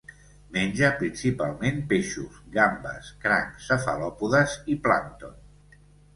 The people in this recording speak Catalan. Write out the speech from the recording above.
Menja principalment peixos, gambes, crancs, cefalòpodes i plàncton.